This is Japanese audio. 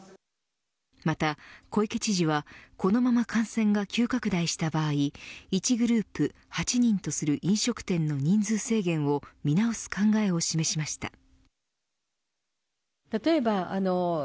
また小池知事はこのまま感染が急拡大した場合１グループ８人とする飲食店の人数制限を見直す考えを示しました。